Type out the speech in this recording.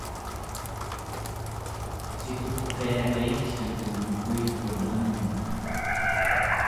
cikut qiaryiggluteng kuigkun an'ut